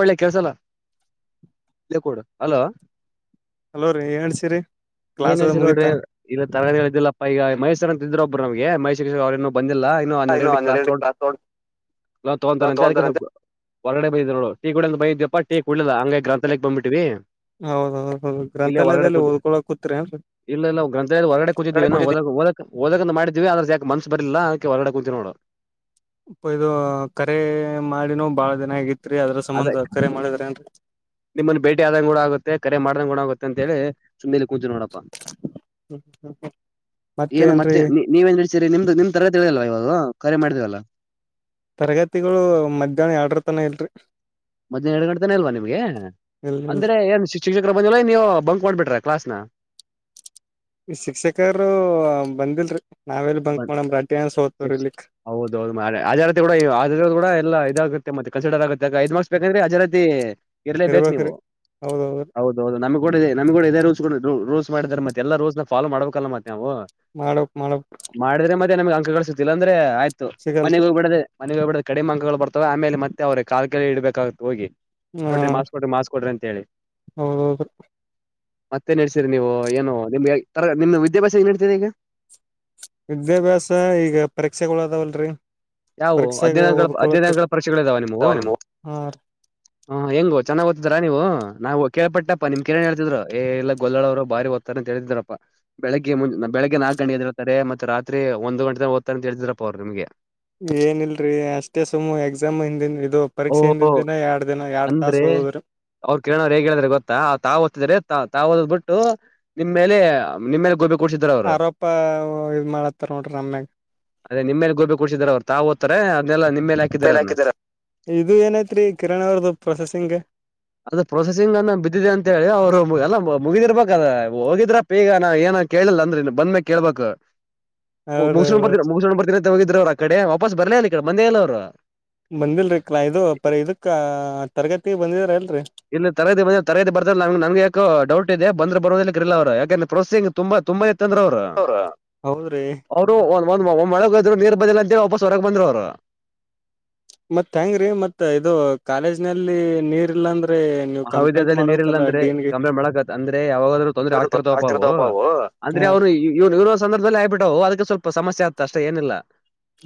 ಒಳ್ಳೆ ಕೆಲ್ಸಲ್ಲೇ [unintelligible] hello hello ರೀ ಏನ್ಸಿರಿ [unintelligible] class ಅದ ಮುಗಿತಾ ಇಲ್ಲ ತರಗತಿಗಳು ಇದಿಲ್ಲಪ್ಪಾ ಈಗ ಮೈಸೂರು ಅಂತ ಇದ್ರು ಒಬ್ರು ನಮಗೆ ಮೈಸೂರು ಅವ್ರೇನನು ಬಂದಿಲ್ಲ ಇ ಹನ್ನೆರಡ ಇನ್ನು ಗಂಟೆ ಕ್ಲಾಸ್ ಹನ್ನೆರಡು ತಗೋ ತಗೋತಾರಂತೆ ಅದಕ್ಕೆ ತಗೊಂತಾರಂತೆ ಹೊರಗಡೆ ಬೈ ನೋಡು ಟೀ ಕುಡಿ ಬೇಕಂತ ಇದೀಯಪ್ಪ ಟೀ ಕುಡಿಲಿಲ್ಲ ಹಂಗೆ ಗ್ರಂಥಾಲಯಕ್ಕೆ ಬಂದ್ ಬಿಟ್ಟಿವಿ ಹೌದೌದು ಗ್ರಂಥಾಲಯದಲ್ಲಿ ಓದ್ಕೊಳ ಕೂತ್ರೆನ್ ಇಲ್ಲಾ ಇಲ್ಲ ಗ್ರಂಥಾಲಯ ಹೊರಗಡೆ ಕುಂತಿ ಇದ್ದೀವಿ ಓದೇಕಂತ ಮಾಡಿದ್ದಿವಿ ಆದ್ರಜಕ ಮನ್ಸ ಬರಲಿಲ್ಲ ಅದಕ್ಕೆ ಹೊರಗಡೆ ಕುಂತಿವ್ ನೋಡು. ಪ್ಪ ಇದು ಕರೆ ಮಾಡಿನೂ ಬಾಳ ದಿನ ಆಗಿತ್ರಿ ಅದ್ರ ಸಂಬಂಧ ಕರೆ ಮಾಡಿದ್ರೆನ್ರಿ. ನಿಮ್ಮನ್ ಭೇಟಿ ಆದಂಗೂಡ ಆಗುತ್ತೆ ಕರೆ ಮಾಡ್ದಂಗ್ ಗುಣ ಆಗುತ್ತೆಂತ ಹೇಳಿ ಸುಮ್ಮನೆಲಿ. ಕುತಿನೋಡಪ್ಪಾ ಏನ್ ಮತ್ತೆ ನೀ. ನೀವೇನ್ ನಡಸಿರಿ ನಿಮ್ದು ನಿಮ್ ತರಗತಿಗಳಿಲ್ವ ಇವಾಗ ಕರೆ ಮಾಡಿದೀವಲ್ಲ. ತರಗತಿಗಳು ಮಧ್ಯಾಹ್ನ ಯಾಡ್ರು ತನ ಇಲ್ರಿ. ಮಧ್ಯಾನ ಎರಡ ಗಂಟೆತನ ಇಲ್ವಾ ನಿಮ್ಗೆ ಇಲ್ ಇಲ್ರಿ ಅಂದ್ರೆ ಏನ್ ಶಿಕ್ಷಕರ ಬಂದಿಲ್ವ ನೀವು ಬಂಕ್ ಮಾಡ್ಬಿಟ್ರ ಕ್ಲಾಸ್ನ. ಶಿಕ್ಷಕರು ಬಂದಿಲ್ರಿ ನಾವೆಲ್ಲಿ ಬಂಕ್ ಬನ್ ಮಾಡಮ್ರಿ ಅಟ್ ಅಟ್ಯಾನ ಸೊತ್ ಶಿಕ್ಷ ಬರಲಿಕ್. ಹೌದೌದು ಮಾರಾ ಹಾಜರಾತಿ ಕೂಡ [unintelligible] ಕೂಡಾ ಇಲ್ಲಾ ಇದಾಗುತ್ತೆ ಮತ್ತೆ ಕನ್ಸಿಡರ್ ಆಗುತ್ತೆ ಐದ ಮಾಕ್ಸ್ ಬೇಕಂದ್ರೆ ಹಾಜರಾತಿ. ಇರ್ಲೇಬೇಕ್ ನೀವು ಇರ್ಬೇಕ್ರಿ ಹೌದೌದ್ರಿ ಹೌದು. ಹೌದು ನಮ್ಗೂಡ ನಮ್ಗೂಡ ಇದೇ ರೂಲ್ಸ್ [unintelligible] ರೂಲ್ಸ್ ಮಾಡದ್ದಾರೆ ಮತ್ತೆಲ್ಲ ರೂಲ್ಸ್ನ್ ಫಾಲೋ ಮಾಡಬೇಕಲ್ಲ ಮತ್ತೆ ನಾವು. ಮಾಡ್ಬೇಕ್ ಮಾಡ್ಬೇಕ್. ಮಾಡಿದ್ರೆ ಮತ್ತೆ ನಮ್ಗೆ ಅಂಕ ಸಿಗ್ತಿಲ್ಲ ಅಂದ್ರೆ ಆಯ್ತು ಮನೆಗ ಸಿಗಲ್ರಿ ಹೋಗ್ಬಬಿಡದೆ. ಮನಿಗ ಹೋಗಬಿಡದ ಕಡಿಮ ಅಂಕಗಳ ಬರ್ತವ ಆಮೇಲೆ ಮತ್ತೆ ಅವ್ರಿಗ ಕಾಲ್ ಕೈ ಹಿಡಿಬೇಕಾಗತ ಹೋಗಿ ಹಾ ಕೊಡ್ರಿ ಮಾಕ್ಸ್ ಕೊಡ್ರಿ ಮಾಸ್. ಕೊಡ್ರಂತ ಹೇಳಿ. ಹೌದೌದ್ರಿ ಮತ್ತೆ ನಡ್ಸೀರಿ ನೀವು ಏನು ನಿಮ್ದು ಏ ತರ ನಿಮ್ ವಿದ್ಯಾಭ್ಯಾಸ ಏನ್ ನಡ್ತೀದೇ ಈಗ. ವಿದ್ಯಾಭ್ಯಾಸ ಈಗ ಪರೀಕ್ಷೆಗಳ ಅದಾವಲ್ರಿ. ಯಾವು ಪರೀಕ್ಷೆಗ ಅಧ್ಯಾಯಗಳ ಓದ್ಕೊಳತ್ತ ಅಧ್ಯ [unintelligible] ಪರೀಕ್ಷೆಗಳ ಇದಾವ ನಿಮ್ಮುವು. ಹಾ ಹ್ಮ ಹೆಂಗೊ ಚನ್ನಾಗ್ ಓತ್ತಿದಿರಾ ನೀವು ನಾವು ಕೇಳ್ಪಟ್ಟಪ್ಪ ನಿಮ್ ಕಿರಣ್ ಹೇಳ್ತಿದ್ರು ಏ ಇಲ್ಲ ಗೊಲ್ಲಳವ್ರು ಬಾರಿ ಓ ತರಂತ ಹೇಳಿದ್ರಪ್ಪಾ. ಬೆಳಗ್ಗೆ ಮು ಬೆಳಗ್ಗೆ ನಾಕ್ ಗಂಟೆಗೆದ್ದೇಳರ್ತಾರೆ ಮತ್ತ ರಾತ್ರಿ ಒಂದು ಗಂಟೆತನ ಓದ್ತರ ಅಂತ ಹೇಳಿದರಪ್ಪ ಅವ್ರು ನಿಮಗೆ. ಏನಿಲ್ರಿ ಅಷ್ಟೇ ಸುಮ್ ಎಕ್ಸಾಮ್ ಹಿಂದಿನ್ ಇದು. ಪರೀಕ್ಷೆ ಓಹೋ ಹಿಂದಿನ ದಿನ ಯಾಡ್ ದಿನ ಯಾಡ್ ತಾಸ ಓದದ್ರಿ. ಅವ್ರು ಕಿರಣ್ ಅವ್ರು ಹೇಗ್ ಹೇಳಿದ್ರ ಗೊತ್ತಾ ತಾವ ಓದ್ತಿದ್ರೆ ತಾವ ಓದದ್ ಬಿಟ್ಟು. ನಿಮ್ ಮೇಲೆ ನಿಮ್ಮೆಲೆ ಗೋಬೆ ಆರೋಪ ಇದ್ ಮಾಡತ್ತಾರ ನೋಡ್ರಿ ನಮ್ಯಾಗ. ಅದೇ ನಿಮ್ಮ್ಯಾಗ ಗೋಬಿ ಕೂಡ್ಸಿದ್ದಾರ ಅವ್ರ ತಾ ಓದ್ತಾರ ಅದನ್ನಲ್ಲ ನಿಮ್ಮ್ಯಾಲ ಹಾಕಿದ್ದರ ಅದ್ನ. ಇದು ಏನೈತ್ರಿ ಕಿರಣ್ ಅವ್ರದ್ದು ಪ್ರೊಸೆಸಿಂಗ್. ಅದು ಪ್ರೊಸೆಸಿಂಗ್ ಅನ್ನ ಬಿದ್ದಿದೆ ಅಂತ ಹೇಳಿ ಅವ್ರು ಎಲ್ಲ ಮುಗಿದಿರ್ಬೇಕದ ಹೋಗಿದ್ರ. ಇ ಈಗ ನಾ ಏನ ಕೇಳಿಲ್ಲ ಅಂದ್ರ ಇನ್ ಬಂದ್ಮೇಕ ಕೇಳ್ಬೇಕ. ಮುಗ್ಸಗೊಂಡ ಹೌದೌದು ಬರ್ತೀರ ಮುಗಸೊಂಡ್ ಬರ್ತಿನಂತ ಹೋಗಿದ್ರ ಅವ್ರು ಅಕಡೆ ವಾಪಸ್ ಬರ್ಲೇ ಇಲ್ಲ ಈ ಕಡೆ ಬಂದೆ ಇಲ್ಲ ಅವ್ರು. ಬಂದಿಲ್ರಿ ಕ್ಲೈ ಇದು ಪರಿ ಇದಕ್ ತರಗತಿ ಬಂದಿದ್ರಿಲ್ರಿ. ಇಲ್ಲಿ ತರಗತಿ [unintelligible] ತರಗತಿ ನಂಗ ಯಾಕೊ ಡೌಟ್ ಇದೆ ಬಂದ್ರ ಬರೋರ ಇಲಕರ ಇಲ್ಲ ಅವ್ರು ಯಾಕೆಂದ್ರ ಪ್ರೊಸಿಂಗ್. ತುಂಬಾ ತುಂಬ ಇತ್ತಂದ್ರ ಅವ್ರ. ಹೌದ್ರಿ. ಅವರು ಒಂದ ಒಂದ ಒಮ್ಮ ಒಳಗೋದ್ರು ನೀರ್ ಬದಿಲಂತ ಹೇಳಿ ವಾಪಸ್ ಹೊರಗ ಬಂದ್ರು ಅವ್ರ. ಮತ್ ಹೆಂಗ್ರೀ ಮತ್ ಇದು ಕಾಲೇಜ್ ನಲ್ಲಿ ನೀರ್ ಇಲ್ಲಾಂದ್ರೆ. ಮಹಾವಿದ್ಯದಲ್ಲಿ ನೀರ್ ಇರ್ಲಿಲ್ಲಾಂದ್ರೆ ಕಂಬೆ ಮಳಕತ್ ಅಂದ್ರೆ ಯಾವಾಗಾದರು ತೊಂದ್ರೆ ಆಗ್ತಿರ್ತವಪ್ಪಾ ಅವು. ಅಂದ್ರೆ ಹಾ ಅವ್ರು ಇ ಇವ್ರು ಇವ್ರುಸ ಸಂದರ್ಭದಲ್ಲಿ ಆಗ್ಬಿಟ್ಟವೋ ಅದಕ್ಕ ಸ್ವಲ್ಪ ಸಮಸ್ಯೆ ಆತ ಅಷ್ಟೇ ಏನಿಲ್ಲ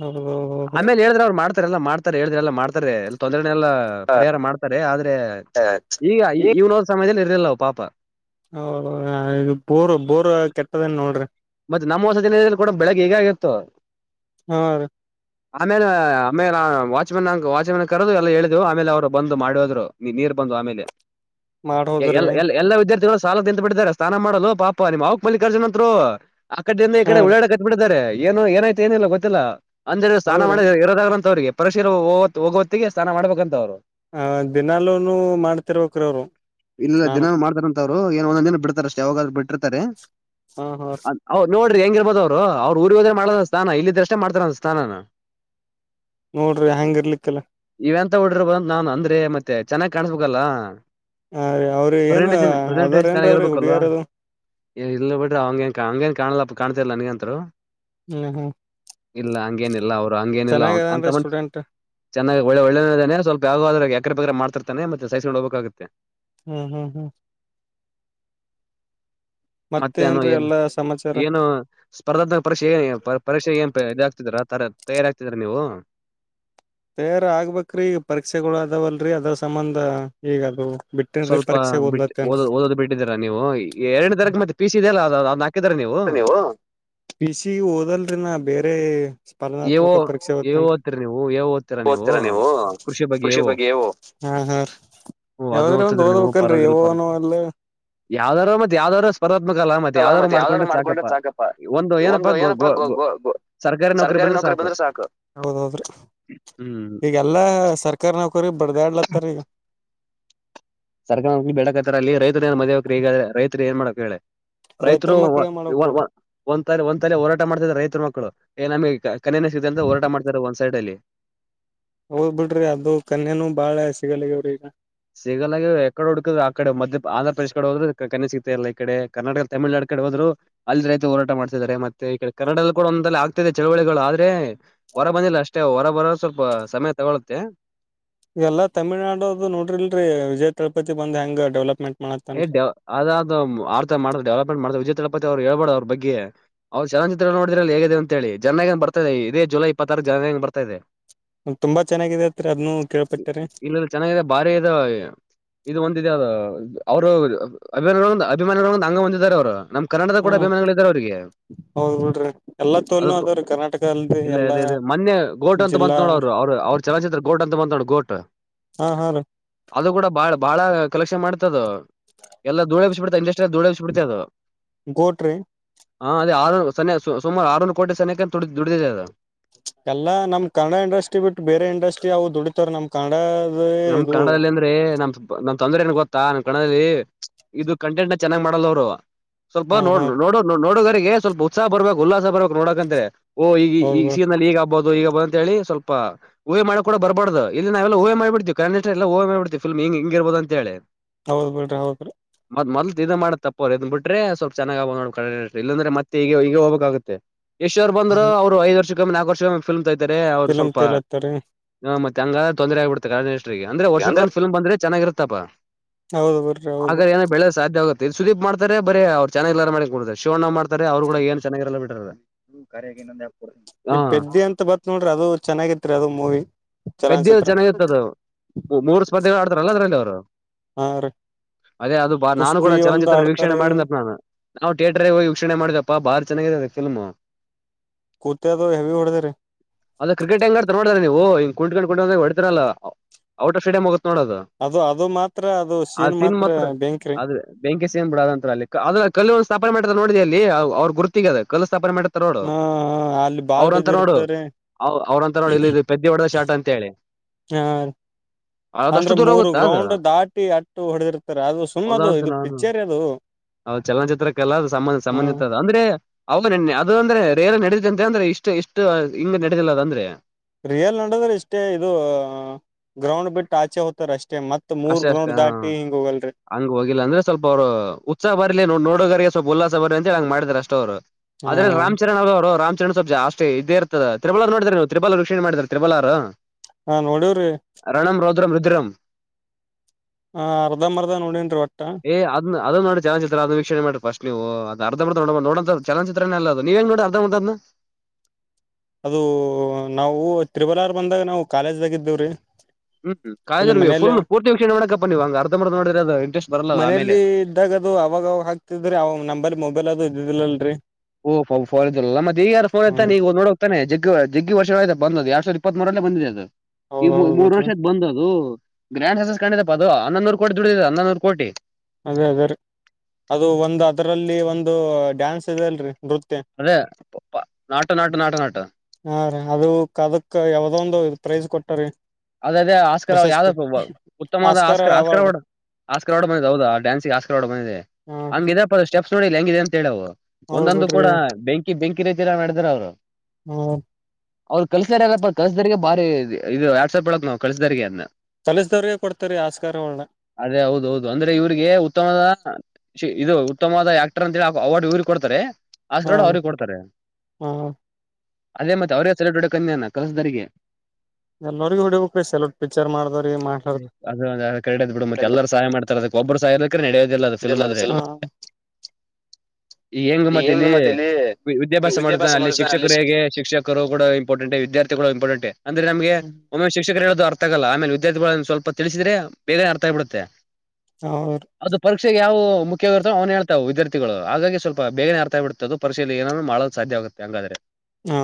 ಹೌದೌದು ಆಮೇಲೆ ಹೇಳಿದ್ರ ಅವ್ರು ಮಾಡ್ ತರೆಲ್ಲ ಮಾಡ್ತಾರೆ ಹೇಳಿದನೆಲ್ಲ ಮಾಡ್ತಾರೆ ಎಲ್ಲ ತೊಂದರೆನೆಲ್ಲಾ ಪರಿಹಾರ ಮಾಡ್ತಾರೆ ಆದ್ರೆ. ಈಗ ಇವ್ನೋದ್ ಸಮಯದಲ್ಲಿ ಇರ್ಲಿಲ್ಲವು ಪಾಪ. ಹೌದ ಇದು ಬೋರ್ ಬೋರ್ ಕೆಟ್ಟದೇನ್ ನೋಡ್ರಿ. ಮತ್ತ ನಮ್ಮ ವಸತಿ ನಿಲಯದಲ್ಲಿ ಕೂಡ ಬೆಳಗ್ ಹೀಗೆ ಆಗಿತ್ತು. ಹ್ಮ ರೀ. ಆಮೇಲೆ ಆಮೇಲೆ ವಾಚ್ಮನ್ ಅಂ ವಾಚ್ಮನ್ ಕರೆದು ಎಲ್ಲ ಹೇಳಿದೆವು ಆಮೇಲೆ ಅವ್ರು ಬಂದು ಮಾಡೋದ್ರು ನೀ ನೀರ್ ಬಂದ್ವು ಆಮೇಲೆ. [inaudible] ಎ ಹೋದ್ರಿ ಎಲ್ಲ್ ಎಲ್ಲಿ. ಎಲ್ಲಾ ವಿದ್ಯಾರ್ಥಿಗಳು ಸಾಲ ನಿಂತ ಬಿಟ್ಟಿದ್ದಾರೆ ಸ್ನಾನ ಮಾಡೋಲು ಪಾಪ ನಿಮ್ ಅವಕ್ ಮಲ್ಲಿಕಾರ್ಜುನ್ ಅಂತ್ರು. ಆ ಕಡಿಂದ ಈ ಹಾ ಕಡೆ ಉಳ್ಳಾಡ ಕತ್ಬಿಟ್ಟಿದ್ದಾರೆ ಏನು ಏನಾಯ್ತ ಏನಿಲ್ಲ ಗೊತ್ತಿಲ್ಲ. ಅಂದ್ರೆ ಸ್ನಾನ ಹೌದ್ರಿ ಮಾಡ ಇರೋದಾದ್ರಂತ ಅವ್ರಿಗೆ ಪರಿಶೀರ ಹೋಗೋ ಹೋಗೋವತ್ತಿಗೆ ಸ್ನಾನ ಮಾಡ್ಬೇಕಂತ ಅವ್ರು. ಹ ದಿನಲ್ಲೂನು ಮಾಡ್ತಿರ್ಬೇಕ್ರೀ ಅವ್ರು ಸ್ನಾನ. ರು ಏನೋ ಒಂದೂಂದ್ ದಿನ ಬಿಡ್ತಾರ ಅಷ್ಟ ಯಾವಾಗಾದ್ರು ಬಿಟ್ಟಿರ್ತಾರೆ. ಅಹಾ ಹ್ ನೋಡ್ರೀ ಹೆಂಗಿರ್ಬೋದ್ ಅವ್ರು ಊರಿಗೆ ಹೋದ್ರೇ ಮಾಡಲ್ಲ ಸ್ನನ ಇಲ್ಲಿದ್ರಷ್ಟೇ ಮಾಡ್ತಾರಂತ ಸ್ನನನ. ನೋಡ್ರಿ ಹೆಯಾಂಗ ಇರ್ಲಿಕ್ಕಿಲ್ಲ. ಇವೆಂತ ಹುಡ್ರುರು ಬಂದ್ ನಾನ್ ಅಂದ್ರೆ ಮತ್ತೆ ಚೆನ್ನಾಗ್ ಕಾಣಿಸ್ಬೇಕಲ್ಲ. ಹ ರೀ ಅವ್ರ ಏನ್ ಪ್ರೆಸೆಂಟೇಷ ಅದಾರ ಪ್ರೆಸೆಂಟೇಷನ್ ಏನ್ರೀ ಚೆನ್ನಾಗಿ ಅವ್ರಿ ಇರ್ಬೇಕಲ್ವಾ. ಹುಡುಗಿಯರದು ಎ ಇಲ್ಲ ಬಿಡ್ರಿ ಅವಂಗನ್ ಹಂಗೇನ್ ಕಾಣಲ್ಲಪ್ಪ ಕಾಣ್ತಿಲ್ಲ ನನ್ಗಂತ್ರು. ಹ್ಮ್ ಹ್ಮ್ ಇಲ್ಲ ಹಂಗೇನಿಲ್ಲ ಅವರು ಹಂಗೇನಿಲ್ಲ ಚೆನ್ನಾಗ ಅಂತ ಅದನ್ರಿ ಮನ್ಷ ಸ್ಟೂಡೆಂಟ್ ಚೆನ್ನಾಗಿ ಒಳ್ ಒಳ್ಳೆದಾದ್ರೇನ್ ಸ್ವಲ್ಪ ಯಾವೋ ಆದ್ರ ಎಕರೆ ಪಕ್ರೆ ಮಾಡ್ತಿರ್ನೆ ಮತ್ತೆ ಸೈಸ್ಕೊಂಡು ಹೋಗ್ಬೇಕಾಗುತ್ತೆ. ಹ್ಮ್ ಹ್ಮ್ ಹ್ಮ್ ಮತ್ತೇನು ಮತ್ತೇನ್ರೀ ಏನು ಎಲ್ಲಾ ಸಮಾಚಾರ ಏನು ಸ್ಪರ್ಧಾತ್ಮಕ ಪರೀಕ್ಷೆ ಏ ಪರೀಕ್ಷೆ ಏನ್ ಇದಾಗಗ್ತಿದರಾ ತ ತಯಾರ ಆಗ್ತಿದೀರ ನೀವು. ತಯಾರ ಆಗ್ಬೇಕ್ರಿ ಈ ಪರೀಕ್ಷೆಗಳು ಅದಾವಲ್ರೀ ಅದ್ರ ಸಂಬಂಧ ಈಗ ಅದು. ಬಿಟ್ಟೇನ್ರಿ ಸ್ವಲ್ಪ ಪರೀಕ್ಷೆಗೆ ಬಿಟ್ಟ್ ಓದ್ಲತ್ತೇನ್ರಿ ಓದ ಓದೋದು ಬಿಟ್ಟಿದ್ದೀರಾ ನೀವು ಎರಡ್ ತರಕ ಮತ್ತೆ ಪೀಸಿದ್ ಇದೆ ಅಲ್ಲ ಅದ್ ಅ ನೀವು ಪಿಸಿ ಓದಲ್ರಿನಾ ಬೇರೆ. ಏವೋ ಸ್ಪರ್ಧಾತ್ಮಕ ಪರೀಕ್ಷೆ ಏ ಓತ್ತೇನ್ರೀ ಓದ್ತೀರಿ ನೀವು ಏ ಓದ್ತೀರಾ ಓದತೀರ ನೀವು ಕೃಷಿ ಬಗ್ಗೆ ಎಓ. ಹಾ ಹಾ ರೀ ಹ್ಮ್ ಅದನ್ನ ಯಾವದ್ರ ಒಂದ್ ಓದ್ತಿದ್ರಿ ಓದ್ಬೇಕಲ್ರೀ ಎಓನು ಅಲ್ಲ. ಯಾವ್ದಾದ್ರು ಮತ್ ಯಾವ್ದಾದರು ಸ್ಪರ್ಧಾತ್ಮಕ ಅಲ್ಲ ಮತ್ ಯಾವ್ದ್ರು ಮತ್ತೆ ಯಾವ್ದಾದ್ರು ಮಾಡ್ಕೊಂಡ್ರೇ. ಮಾಡ್ಕೊಂಡ್ರೆ ಸಾಕಪ್ಪ ಒಂದು ಏನಪ್ಪ ಗೊ ಗೊ ಸರ್ ಬೇರೆ ನೌಕರಿ ಬಂದ್ರೆ ಸಾಕು ಹೌದ್ ಹೌದ್ರೀ. ಹ್ಮ್ ಯಲ್ಲಾ ಸರ್ಕಾರಿ ನೌಕರಿ ಬಡ್ದಆಡ್ಲರತ್ತಾರೀ ಈಗ. ಸರ್ಕಾರ ನೌಕ್ರಿ, ಬೇಡಕತಾರ್ರೀ ಅಲ್ಲಿ ರೈತ ಏನ್ ಮದುವೆ ಆಗಬೇಕು ಈಗ ರೈತರು ಏನ್ ಮಾಡಬೇಕ್ ಹೇಳ್ರೀ. ರೈತರ ರೈತರು ಮಕ್ಳ ಏನ್ ಮಾಡ್ಬೇಕಲ್ರಿ [unintelligible] ಒಂದ್ ತಲೆ ಒಂದ್ ತಲೆ ಹೋರಾಟ ಮಾಡ್ತಿದಾರೆ ರೈತರ ಮಕ್ಕಳು ಏ ನಮಗೆ ಕ ಕನ್ಯನೇ ಸಿಗತ್ಲ ಅಂತ ಹೋರಾಟ ಮಾಡ್ತಿದ್ದಾರೆ ಒನ್ ಸೈಡ್ ಅಲ್ಲಿ. ಹೋದ್ ಬಿಡ್ರಿ ಅದು ಕನ್ಯನು ಬಾಳ ಸಿಗಲ್ಲಾಗ ಬಿಡ್ರೀ ಈಗ. ಸಿಗಲ್ ಅಗದ ಎಕಡೆ ಹುಡುಕುದ್ರು ಆ ಕಡೆ ಮಧ್ಯ ಆಂಧ್ರ ಪ್ರದೇಶ ಕಡೆ ಹೋದ್ರೆ ಕನ್ಯಾ ಸಿಗ್ತ ಇಲ್ಲ ಈ ಕಡೆ ಕರ್ನಾಟಕ ತಮಿಳ್ನಾಡು ಕಡೆ ಹೋದ್ರು. ಅಲ್ಲಿ ರೈತ ಹೋರಾಟ ಮಾಡ್ತಿದ್ದಾರೆ ಮತ್ತೆ ಈ ಕಡೆ ಕನ್ನಡದಲ್ಲಿ ಕೂಡ ಒಂದಲ್ಲ ಆಗ್ತಿದೆ ಚಳವಳಿಗಳು ಆದ್ರೆ. ಹೊರ ಬಂದಿಲ್ಲ ಅಷ್ಟೇ ಹೊರ ಬರೋ ಸ್ವಲ್ಪ ಸಮಯ ತಗೊಳ್ಳುತ್ತೆ. ಎಲ್ಲ ತಮಿಳುನಾಡು ಅದು ನೋಡ್ರಿಲ್ರಿ ವಿಜಯ್ ತಳಪತಿ ಬಂದ್ ಹೆಂಗ ಡೆವಲಪ್ಮೆಂಟ್. ಏ ಮಾಡತ್ತನ್ರಿ ಡ್ ಅದ ಅ ಆರ್ತ ಮಾಡ್ ಡೆವಲಪ್ಮೆಂಟ್ ಮಾಡತ ವಿಜಯತಲಪತಿ ಹೇಳಬೇಡ ಅವ್ರ ಬಗ್ಗೆ. ಅವ್ರ ಚಲನಚಿತ್ರ ನೋಡಿದ್ರಲ್ಲ ಹೇಗಿದೆ ಅಂತ ಹೇಳಿ ಜನನಾಯಗ ಬರ್ತಾದೆ ಇದೇ ಜುಲೈ ಇಪ್ಪತ್ತಾರಕ್ ಜನನಯಕ ಬರ್ತ ಇದೆ. ತುಂಬಾ ಚೆನ್ನಾಗಿದೆ ಅತ್ರರಿ ಅದನ್ನು ಕೇಳ್ಪಟ್ಟೆರೀ. ಇಲ್ಲ ಚೆನ್ನಾಗಿದೆ ಬಾರಿ ಇದವೇ ಇದು ಒಂದ್ ಇದೆ ಅದು. ಅವರು ಅ ಅಭಿಮಾನಿವೃಂದ ಅಭಿಮಾನಿಗಳ ಒಂದು ಅಂಗೆ ಹೊಂದಿದ್ದಾರೆ ಅವ್ರು ನಮ್ ಕನ್ನಡದ ಹ್ಮ ಕೂಡ ಅಭಿಮಾನಿಗಳ್ ಇದಾರೆ ಅವ್ರಿಗೆ. ಹೌದ್ ಬಿಡ್ರಿ ಎಲ್ಲಾ ಅದು ತೋಲ್ನು ತು ಅದಾವ್ರೀ ಕರ್ನಾಟಕ ಅಲ್ರಿ ಇಲ್ಲ ಎಲ್ಲಾ ಅದೆ ಇದೆ ಮೊನ್ನೆ ಗೋಡ್ ಅಂತ ಬಂತ್ ಜಿಲ್ಲಾ ನೋಡು ಅವ್ರು ಅವರು ಅವ್ರ. ಚಲನಚಿತ್ರ ಗೋಟ್ ಅಂತ ಬಂತ್ ನೋಡು ಗೋಟ್. ಹಾ ಹಾ ರೀ ಅದು ಕೂಡ ಬಾಳ ಬಾಳ ಕಲೆಕ್ಷನ್ ಮಾಡ್ತದು. ಎಲ್ಲ ಧೂಳ್ ಎಬ್ಬಿಸಿ ಬಿಡ್ತ ಇಷ್ಟೆ ಧೂಳ್ ಎಬ್ಬಿಸಿಬಿಡ್ತದ್ ಅದು. ಗೋಟ್ ರಿ. ಹಾ ಅದೇ ಆರು ಸು ಸುಮಾರು ಆರುನೂರು ಕೋಟಿ ಸನಿಕ ದುಡ್ದಿದೆ ಅದು. ಎಲ್ಲಾ ನಮ್ ಕನ್ನಡ ಇಂಡಸ್ಟ್ರಿ ಬಿಟ್ಟು ಬೇರೆ ಇಂಡಸ್ಟ್ರಿ ಅವ್ರು ದುಡಿತಾರ, ನಮ್ ಕನ್ನಡದ ನಮ್ ಇದು ಕನ್ನಡದಲ್ಲಿ ಅಂದ್ರೆ ನಮ್ ನಮ್ ತೊಂದ್ರೆ ಏನ್ ಗೊತ್ತಾ ನನ್ ಕನ್ನಡದಲ್ಲಿ ಇದು ಕಂಟೆಂಟ್ ನ ಚೆನ್ನಾಘ ಮಾಡಲ್ಲ ಅವ್ರು. ಸ್ವಲ್ಪ ಹಾ ಹಾ ನೋಡ್ ನೋಡು ನೋಡುಗರಿಗೆ ಸ್ವಲ್ಪ ಉತ್ಸಹ ಬರ್ಬೇಕು ಉಲ್ಲಾಸ ಬರ್ಬೇಕ್ ನೋಡಕಂತ್ರೆ. ಓ ಈಗ ಹೌದ್ ಬಿಡ್ ಸಿ ಈಲ್ಲಿ ಈಗ ಹದು ಈಗ ಬ ಅಂತಿ ಸ್ವಲ್ಪ ಊಹೆ ಮಾಡಕ್ ಕೂಡ ಬರಬಾರ್ದು, ಇಲ್ಲಿ ನಾವೆಲ್ಲ ಊಹ ಮಾಡ್ಬಿಡ್ತಿವಿ. ಕನಿಷ್ಠ ಎಲ್ಲ ಊಹೆ ಮಾಡಿಬಿಡತಿವ್ವಿ ಫಿಲ್ಮ್ ಹೀಂಗೆ ಇರ್ಬೋದು ಅಂತ ಹೇಳಿ. ಹೌದ್ ಬಿಡ್ರಿ ಹೌದು. ಮತ್ ಮೊದಲ್ ಇದ ಮಾಡತಪ್ಪು, ಅವರ್ ಇದ್ ಬಿಟ್ರೆ ಸ್ವಲ್ಪ ಚನ್ನಾಗಿನೋ ಇಲ್ಲಂದ್ರೆ ಮತ್ತೆ ಈಗ ಈಗ ಹೋಗಬೇಕಾಗುತ್ತೆ. ಯಷ್ಟ ಅವರು ಬಂದ್ರು, ಅವ್ರು ಐದು ವರ್ಷಕ್ಕೆ ನಾಲ್ಕು ವರ್ಷಕ್ಕೊಮ್ಮೆ ಫಿಲ್ಮ್ ತಗಿತಾರೆ, ಅವ್ರು ಫಿಲಮ್ ಸ್ವಲ್ಪ ತೇಲತ್ತಾರಿ ಹ ಮತ್ತೆ ಹಂಗ ತೊಂದರೆ ಆಗ್ಬಿಡ್ತದೆ ಕನ್ನಡ ಇಂಡಸ್ಟರಿಗೆ, ಅಂದ್ರೆ ವರ್ಷೊಂದು ಫಿಲ್ಮ ಬಂದ್ರೆ ಚೆನ್ನಾಗಿರುತ್ತೆಪಾ. ಹೌದು ಬಿಡ್ರಿ ಆಗ ಹೌದು ಏನೋ ಬೆಳದು ಸಾಧ್ಯ ಆಗುತ್ತೆ. ಸುದೀಪ್ ಮಾಡ್ತಾರೆ ಬರ ಅವ್ ಚನ್ನಾಗಿಲ್ಲ ಮಾಡಕ್ ಕೊಡ್ತಾರೆ, ಶಿವಣ್ಣರು ಅವರು ಕೂಡ ಏನು ಚೆನ್ನಾಗಿರಲ್ಲ ಬಿಟ್ಟಿರಲ್ಲ. ಹೂ ಖರೆಗೆ ನೊಂದ ಈ ಪೆದ್ದಿ ಅಂತ ಬಂತ್ ನೋಡ್ರಿ, ಅದು ಚೆನ್ನಾಗಿತ್ರಿ ಅದು ಮೂವಿ ಪೆದ್ಯ ಚಲನಚಿತ್ರ. ಚೆನ್ನಾಗಿರ್ತದ ಮೂರು ಸ್ಪರ್ಧೆಗಳು ಆಡ್ತಾರಲ್ಲ ಅದರಲ್ಲಿ ಅವರು. ಹಾ ರೀ ಅದೇ ಅದು ನಾನು ಕುಸ್ತಿ ಕೂಡ ಒಂದ್ ಚಲನಚಿತ್ರನ ವೀಕ್ಷಣೆ ಆಡ್ತಾರಿ ಮಾಡಿದ್ನಪ್ಪ ನಾನು. ನಾವು ಥಿಯೇಟರ್ ಹೋಗಿ ವೀಕ್ಷಣೆ ಮಾಡಿದ್ನಪ್ಪ ಬಾಳ್ ಚೆನ್ನಾಗಾಗಿದೆ ಫಿಲ್ಮ್. ಕುತ್ತೆ ದು ಹೆವಿ ಹೊಡೆದಿರಿ. ಅದ ಕ್ರಿಕೆಟ್ ಹೆಂಗ್ ಆಡ್ತಾರ ನೋಡಿರಾ ನೀವು, ಹಿಂಗ ಕುಂಟಗೋತ ಕುಂಟಗೋತ ಹೊಡ್ತರಲ್ಲ. ಔಟ್ ಆಫ್ ಸ್ಟೇಡಿಯಂ ಹೋಗ್ತಾದ ನೋಡ್ ಅದು. ಅದು ಅದು ಮಾತ್ರ ಅದು ಸೀನ್ ಮಾತ್ರ ಬೆಂಕ್ರಿ. ಅದ ಬೆಂಕಿ ಸೀನ್ ಬಿಡು ಅದು ನಂತರ ಅದ್ರ ಕಲ್ಲು ಒ ಸ್ಥಾಪನೆ ಮಾಡತರ ನೋಡಿ ಅಲ್ಲಿ ಅವರು ಗುರುತಿಗೆ ಕಲ್ಲು ಸ್ಥಪನೆ ಮಾಡ ಹ್ಮ ಅಲ್ಲಿ ಬಾಲ್ ಬಿದ್ದಿರುತ್ತೆರಿ. ಅವ್ರಂತಾರ ನೋಡಿ ಇಲ್ಲಿ ಪೆದ್ದಿ ಹೊಡೆದ ಶಾಟ್ ಅಂತ ಹೇಳಿ ಅದಷ್ಟು ಅಂದ್ರೆ ದೂರ ಮೂರು ಹೋಗುತ್ತಾ ಅದು ಗ್ರೌಂಡ್ ದಾಟಿ ಅಟ್ಟು ಹೊಡೆದಿರ್ತಾರ ಅದು ಸುಮ್ಮದು ಹೌದಂತ ಇದು ನಾನು ಪಿಕ್ಚರ್ರಿ ಅದು. ಅವ್ ಚಲನಚಿತ್ರಕ್ಕೆ ಎಲ್ಲ ಸಂಬಂಧಿತ ಅದು ಹ್ಮ ಸಂಬಂಧಿತ. ಅಂದ್ರೆ ಅವ ಅದು ಅಂದ್ರೆ ರೈಲ್ ನಡೆದಿರ್ತತೆ ಅಂತೆ ಅಂದ್ರೆ ಇಷ್ಟು ಇಷ್ಟು ಹಿಂಗ ನಡೆದಿಲ್ಲ ಅದ ಅಂದ್ರೆ. ರಿಯಲ್ ನಡದ್ರೆ ಇಷ್ಟೇ ಇದು ಗ್ರೌಂಡ್ ಬಿಟ್ಟ ಆಚೆ ಹೋಗ್ತಾರೆ ಅಷ್ಟೇ, ಮತ್ ಮತ್ ಮೂರ್ ಅಷ್ಟೇ ಅಷ್ಟೇ ಗ್ರೌಂಡ್ ಹ ದಾಟಿ ಹಿಂಗ ಹೋಗಲ್ರರಿ. ಹಂಗ್ ಹೋಗಿಲ್ಲ ಅಂದ್ರೆ ಸ್ವಲ್ಪ ಅವರು ಉತ್ಸಾಹ ಬರಲಿ ನೋಡ್ ನೋಡಗರಿಗೆ ಸ್ವಲ್ಪ ಉಲ್ಲಾಸ ಬರಲಿ ಅಂತ ಹೇಳಿ ಹಂಗ ಮಾಡಿದಾರ ಅಷ್ಟೆ ಅವರು. ಹ ಆದ್ರೆ ರಾಮ್ ಅವರು ರಾಮಚರಣ್ ಸಬ್ಜ ಅಷ್ಟೇ ಇದೇ ಇರ್ತದೆ ತಿತ್ ಮಾಡಿದ್ದಾರೆ, ನ ನೀವು ತ್ರಿಬಲ್ಲಾರು, ವೀಕ್ಷಣೆ ಮಾಡಿದ ತ್ರಿಬಲ್ಲಾರು. ಹಾ ನೋಡಿವ್ರಿ. ರಣಂ ರೌದ್ರಂ ರುದ್ರಂ. ಹ ಅರ್ಧಂಬರ್ಧ ನೋಡನ್ರಿ ಒಟ್ಟ. ಅದ್ ಅದು ಮಾಡಿ ಚಲಾಚಿತ್ರದ ವೀಕ್ಷಣೆ ಮಾಡಿ ಫಸ್ಟ್ ನೀವು, ಅದು ಅರ್ಧಬರ್ದ ನೋಡ್ಬಾರ್ದು ನೋಡ ಚಲ ಲ್ಲದು ನೀವೇ ನೋಡಿ ಅರ್ಧಂಬರ್ದ ಅದು. ಅದು ನಾವು ತ್ರಿಬಲ್ಲಾರ ಬಂದಾಗ ನಾವು ಕಾಲೇಜ್ದಾಗ ಇದ್ದೆವ ರೀ. ಹ್ಮ್ ಕಾಲೇಜಗ ಪೂರ್ತಿ ವೀಕ್ಷಣೆ ಮಾಡಕಪ್ಪ ನೀವು ಅರ್ಧಮರ್ ಮಾಡಿದ್ರ ಅದು ಇಂಟೆಸ್ಟ್ ಬರಲ್ಲ ಆಮೇಲೆ. ಇದಾಗ ಅದು ಅವಾಗ ಅವಾಗ ಹಾಕ್ತಿದ್ರಿ ಅವ್ ನಂಬರ್ ಮೊಬೈಲ್ ಅದು ಇದ್ದಿದ್ದಿಲ್ಲಲ್ರರಿ. ಓ ಫೋನ್ ಇದಲ್ಲ ಮತ್ತ ಈಗಾರಫೋನ್ ಇತ್ತಾ ಹ್ಮ್ ನೀಗ ನೋ [unintelligible] ಜಗ್ಗ ಜಗ್ಗ ವರ್ಷ ಆಯತ ಬಂದ ಅದು ಎರಡ್ ಸಾವಿರ ಇಪ್ಪತ್ತ ಮೂರ್ ರಲ್ಲೆ ಬಂದಿದೆ ಅದು ಈ ಮೂ ಹೌದೌದು ಮೂರ್ ಬಿಡ್ರಿ ವರ್ಷ ಆಯ್ತಾ ಬಂದ ಅದು ಗ್ರ್ಯಾಂಡ ಸಕ್ಸಸ್ ಕಂಡಿದ್ದೆ ಅಪ್ಪ ಅದು ಹನ್ನೊಂದು ವರೆ ಕೋಟಿ ದುಡಿದಿದೆ ಹನ್ನೊಂದು ವರೆ ಕೋಟಿ ಅದೇ ಅದೇ ರೀ ಅದು ಒಂದು ಅದರಲ್ಲಿ ಒಂದು ಡ್ಯಾನ್ಸ್ ಇದೆ ಅಲ್ರೀ ನೃತ್ಯ ಅದೇ ನಾಟು ನಾಟು ನಾಟು ನಾಟು ಹಾ ರೀ ಅದು ಅದಕ್ ಯಾವ್ದ ಒಂದು ಪ್ರೈಜ್ ಕೊಟ್ಟರಿ ಅದ ಅದೇ ಆಸ್ಕರ್ [unintelligible] ಯಾವ್ದಪ್ಪ ಅದ ಉತ್ತಮವಾದ Oscar Oscar award Oscar award ಬಂದಿದೆ ಹೌದ ಆ ಡ್ಯಾನ್ಸ್ ಗೆ ಆಸ್ಕರ್ ಅವಾರ್ಡ್ ಬಂದಿದೆ ಹಾ ಹಂಗಿದೆಪ್ಪ ಅ ಸ್ಟೆಪ್ಸ್ ನೋಡಿ ಹೆಂಗಿದೆ ಅಂತ ಹೇಳವು ಹೌದ್ ಒಂದೊಂದು ಕೂಡ ಬಿಡ್ರಿ ಬೆಂಕಿ ಬೆಂಕಿ ರೀತಿ ಮಾಡಿದಾರ ಅವರು ಹ್ಮ ಅವ್ರು ಕಲ್ಸ್ದಾರಗಪ್ಪ ಕಲ್ಸಿದಾರಗೆ ಬಾರಿ ಇದು ವ್ಯಾಟ್ಸಪ್ ಹೇಳಕ್ ನಾವು ಕಲ್ಸಿದರಿಗೆ ಅಂದೆ ಕಾಲಿಸಿದವ್ರಿಗೆ ಕೊಡ್ತಾರೆ ಆಸ್ಕಾರ [unintelligible] ಅದೇ ಹೌದೌದು ಅಂದ್ರೆ ಇವ್ರಿಗೆ ಉತ್ತಮದ ಇದು ಉತ್ತಮವಾದ ಆಕ್ಟರ್ ಅಂತ ಹೇಳಿ ಅವಾರ್ಡ್ ಇವರಿಗೆ ಕೊಡ್ತಾರೆ ಹ ಆಸ್ಕರ್ ಅವಾರ್ಡ್ ಅವ್ರಿಗೆ ಕೊಡ್ತಾರೆ ಹ ಅದೇ ಮತ್ತೆ ಅವರೇ ಸೆಲೆಬ್ರಿಟಿ ಕನ್ಯಾನ [unintelligible] ಎಲ್ಲರಿಗೊ ಹೊಡಿಬೇಕು ಸೆಲೋಟ್ ಪಿಕ್ಚರ್ ಮಾಡಿದವರ್ಗೆ ಅದು ಅದು ಕರೆಕ್ಟ್ ಆದೆ ಬಿಡು ಮತ್ತೆಲ್ಲರು ಸಹಾಯ ಮಾಡ್ತಾರೆ ಅದಕ್ಕೆ ಒಬ್ಬರು ಸಹಾಯ [unintelligible] ನಡೋದಿಲ್ಲಅದು ಫಿಲ್ಮ್ ಅಂದ್ರೆ ಹಾ ಈ ಹೆಂಗ ಮತ್ತಿಲ್ಲಿ ಮತ್ತ ಇಲ್ಲಿ ವಿದ್ಯಾಭ್ಯಾಸ ಮಾಡುದ್ವ ಅಲ್ಲಿ ಶಿಕ್ಷಕರು ಹೇಗೆ ಶಿಕ್ಷಕರು ಕೂಡ ಇಂಪಾರ್ಟೆಂಟ್ ವಿದ್ಯಾರ್ಥಿಗಳು ಇಂಪಾರ್ಟೆಂಟ್ ಅಂದ್ರೆ ನಮಗೆ ಒಮ್ಮೆ ಶಿಕರು ಹೇಳೋದು ಅರ್ಥ ಆಗಲ್ಲ ಆಮೇಲೆ ವಿದ್ಯಾರ್ಥಿಗಳು ಸ್ವಲ್ಪ ತಿಳಿಸಿದ್ರೆ ಬೇಗ ಅರ್ಥ ಆಗ್ ಬಿಡುತ್ತೆ ಹೌದು ಅದು ಪರೀಕ್ಷೆಗೆ ಯಾವ ಮುಖ್ಯವಾಗಿರುತೋ ಅವನ್ನೆ ಹೇಳತಾರೆ ವಿದಾರ್ಥಿಗಳು ಹಾಗಾಗಿ ಸ್ವಲ್ಪ ಬೇಗನೆ ಆರ್ತಾ ಬಿಡ್ತೆ ಅದು ಪರೀಕ್ಷೆಲಿ ಏನನು ಮಾಡಲು ಸಾಧ್ಯ ಆಗುತ್ತೆ ಹಾಗಾದ್ರೆ ಹಾ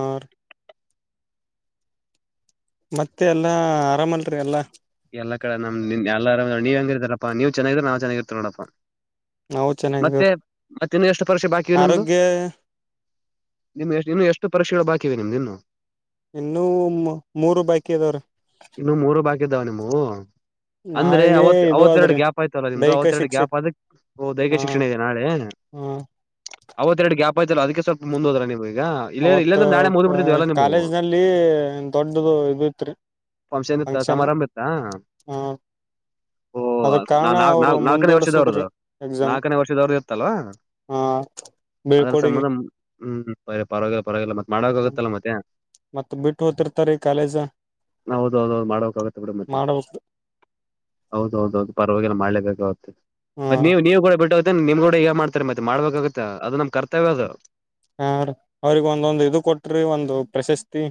ಮತ್ತೆ ಎಲ್ಲಾ ಆರಾಮಲ್ರಿ ಎಲ್ಲಾ ಎಲ್ಲ ಕಡೆ ನಮ್ ಎಲ್ಲರ ನೀವ್ ಹೆಂಗಿರ್ತಾರಪ್ಪಾ ನೀವ್ ಚೆನ್ನಿದ್ರ ನಾವ್ ಚೆನ್ನಾಗಿರ್ತೀವಿ ನೋಡಪ್ಪಾ ನಾವು ಮತ್ತೆ ಚೆನ್ನಾಗಿದೇವ್ರಿ ಮತ್ ಇನ್ನು ಎಷ್ಟು ಪರೀಕ್ಷೆ ಬಾಕಿ ನಿಮ್ದು ಆರೋಗ್ಯ ನಿಮ್ ಇನ್ನು ಎಷ್ಟು ಪರೀಕ್ಷೆಗಳು ಬಾಕಿಇವೆ ನಿಮ್ ಇನ್ನು ಇನ್ನು ಮೂರು ಬಾಕಿ ಇದಾವ್ರೀ ಇನ್ನು ಮೂರು ಬಾಕಿ ಇದ್ದಾವ ನಿಮ್ಮವು ಅಂದ್ರೆ ನಾಳಿಗೆ ಅವತ್ ಇದು ಅವತ್ತೆರಡು ಆದ್ರಿ ಗ್ಯಾಪ್ ಆಯ್ತಲ್ಲ ನಿಮ್ದು ದೈಹಿಕ ಅವವತ್ತೆರಡು ಶಿಕ್ಷಕ್ ಗ್ಯಾಪ್ ಅದಕ್ ದೈಹಿಕ ಶಿಕ್ಷಣ ಇದೆ ನಾಳೆ ಹೂ ಅವತ್ ಎರಡು ಗ್ಯಾಪ್ ಆಯ್ತಲ್ಲ ಅದಕ್ಕೆ ಸ್ವಲ್ಪ ಮುಂದೊದ್ರ ನೀವೀಗ ಅವತ್ ಕಾಲೇಜ್ ನಲ್ಲಿ ದೊಡ್ಡದು ಇದದು ಇತ್ರಿ ಫಂಕ್ಷನ್ ಸಮಾರಂಭ ಇತ್ತಾ ಹ ಓ ಅದ ನಾ ಕಾರಣ ನಾ ನಾ ಅವ್ರು ನಾಲ್ಕನೇ ವರ್ಷದವ್ರದು ಮುಂದೂಡಸುದ್ರಿ ನಾಲ್ಕನೇ ವರ್ಷದವ್ರ್ದ ಇತ್ತಲ್ವಾ ಹಾ ಅದರ ಸಂಬಂಧ ಹ್ಮ ಪರವಾಗಿಲ್ಲ ಪರವಾಗಿಲ್ಲ ಮತ್ತ ಹ್ಮ್ ಮಾಡಕಗತ್ತಲ್ಲ ಮತ್ತೆ ಮತ್ ಬಿಟ್ಟು ಹೋತಿರ್ತಾರೀ ಕಾಲೇಜ ಹೌದೌದು ಮಾಡೋಗು ಬಿಡು ಮತ್ತೆ ಮಾಡ್ಬೇಕ ಹೌದೌದು ಪರವಾಗಿಲ್ಲ ಮಾಡ್ಲೇಬೇಕಾಗುತ್ತೆ ಮತ್ತೆ ಹ್ಮ್ ನೀವ ನೀವ್ ಕೂಡ ಬಿಟ್ಟು ಹೋಗತ ನಿಮ್ ಕೂಡ [unintelligible] ಮಾಡ್ತಾರೆ ಮತ್ತೆ ಮಾಡ್ಬೇಕಾಗತ್ತೆ ಅದು ನಮ್ ಕರ್ತವ್ಯ ಅದು ಹ ಅವ್ರಿಗೆ ಒಂದೊಂದು ಇದು ಕೊಟ್ರಿ ಒಂದು ಪ್ರಶಸ್ತಿ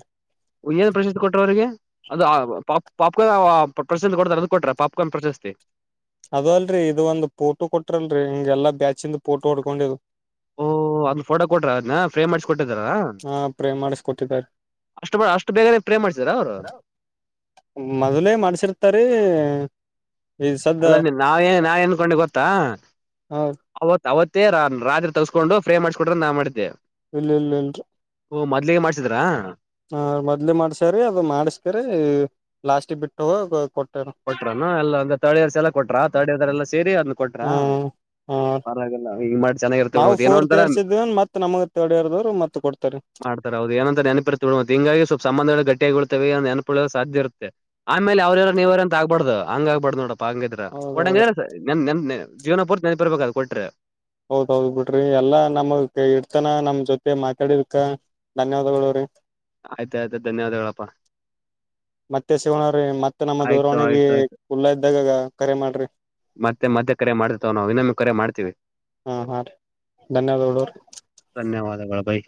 ಏನ್ ಪ್ರಶಸ್ತಿ ಕೊಟ್ಟ್ರ ಅವ್ರಿಗೆ ಅದು ಪಾ ಪಾಪ್ಕಾರ್ನ್ ಪ್ರಶಸ್ತಿ ಕೊಡ್ತಾರೆ ಅದ ಕೊಟ್ರ ಪಾಪ್ಕಾರ್ನ್ ಪ್ರಶಸ್ತಿ ಅದ ಅಲ್ರಿ ಇದು ಒಂದು ಫೋಟೋ ಕೊಟ್ರಲ್ರರಿ ಹಿಂಗೆಲ್ಲಾ ಬ್ಯಾಚಿಂದು ಫೋಟೋ ಹೊಡ್ಕೊಂಡಿ ಓಹ ಅದ್ ಫೋಟೋ ಕೊಟ್ರ ಅದ್ನ್. ಫ್ರೇಮ್ ಮಾಡ್ಸಿಕ ಕೊಟ್ಟಿದಾರಾ ಹಾ ಪ್ರೇ ಮಾಡಿಸ್ಕೊಟ್ಟಿದ್ದಾರೆ ಅಷ್ಟ ಅಷ್ಟು ಬೇಗ ಫ್ರೇಮ್ ಮಾಡ್ಸಿದಾರಾ ಅವರು. ಮೊದ್ಲೇ ಮಾಡ್ಸಿರ್ತಾರಿ. ಈ ಸದ್ದ ಅಲ್ಲ ನಾವೇ ಏನ್ ನಾವ ಎನ್ಕೊಂಡೆ ಗೊತ್ತಾ ಹ ಅವತ್ ಅವತ್ತೇ ರ ರಾತ್ರಿ ತಸ್ಕೊಂಡು ಫ್ರೇಮ್ ಮಾಡಿಸ್ಕೊಟ್ಟರ್ ನಾನ್ ಮಾಡಿದ್ದೆ. ಇಲ್ಲ ಇಲ್ಲ ಇಲ್ರಿ. ಓ ಮೊದ್ಲಿಗೆ ಮಾಡ್ಸಿದ್ರಾ. ಹ ಮೊದ್ ಮಾಡ್ಸಾರೀ ಅದು ಮಾಡಿಸ್ಕ್ಯಾರೆ ಲಾಸ್ಟಿಗೆ ಬಿಟ್ಟು ಹೋಗ ಕೊಟ್ಯಾರ. ಕೊಟ್ರ ಎಲ್ಲ ಅಂದ್ರ ತರ್ಡ್ರ್ಸ್ ಎಲ್ಲಾ ಕೊಟ್ರ ತರ್ಡ್ರ್ ಎಲ್ಲ ಸೇರಿ ಅದ್ ಕೊಟ್ರಾ. ಹ್ಮ್ ಹಾ ನಾವು ಮತ್ ಏನೋ ಫೋರ್ತ್ ಒಂತರ ಇಯರ್ಸ್ ಇದ್ದೇವೆ ಮತ್ತ ನಮಗ ಥರ್ಡ್ ಇಯರ್ ಮತ್ತ ಕೊಡ್ತಾರೆ. ಸರ್ ಹೌದ ಏನಂತ ನೆಪಿರ್ತ ಬಿಬ ಹಂಗಾಗಿ ಸ್ವಲ್ ಸಂಬಂಧಗಳು ಗಟ್ಟಾಗಿಳ್ತವೆ ನೆನಪೊಳ್ಳಲು ಸಾಧ್ಯ ಇರುತ್ತೆ. ಆಮೇಲೆ ಅವರ್ಯಾರ ನೀವ್ಯಾರ ಅಂತ ಆಗ್ಬಾರ್ದ ಹಂಗ ಆಗ್ಬಾರ್ದ ನೋಡಪ್ಪ ಹಂಗ ಇದ್ರ ಹೌದೌದು ವಟ್ಟ್ ನನ್ ನನ್ ಜೀವನ ಪೂರ್ತಿ ನೆನಪರ್ಬೇಕ ಅದು ಕೊಟ್ರೆ. ಹೌದೌದ್ ಬಿಡ್ರಿ ಎಲ್ಲಾ ನಮ ಇಡ್ತಾನ ನಮ್ ಜೊತೆ ಮಾತಾಡಿದಕ್ಕ. ಧನ್ಯವಾದಗಳೂರಿ. ಆಯ್ತ ಆಯ್ತ್ ಧನ್ಯವಾದಗಳಪ್ಪ. [inaudible] ಮತ್ತೆ ಸಿಗೋಣವ್ರಿ ಮತ್ತತ್ ನಮ್ಮ ಆಯ್ತು ದೂರವಾಣಿಗೆ ಆಯ್ತು ಆಯ್ತು ಕುುಲ್ಲಾ ಇದ್ದಾಗ ಕರೆ ಮಾಡ್ರಿ. ಮತ್ತೆ ಮತ್ತೆ ಕರೆ ಮಾಡ್ತವವೆ ನಾವು ಇನಮ ಕರೆ ಮಾಡ್ತೀವಿ. ಹುನ್ ಮಾಡ್ರೀ ಧನ್ಯವಾದಗಳುರೀ. ಧನ್ಯವಾದಗಳು ಭೈ.